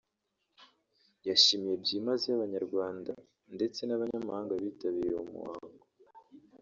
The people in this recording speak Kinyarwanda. yashimiye byimazeyo Abanyarwanda ndetse n’abanyamahanga bitabiriye uwo muhango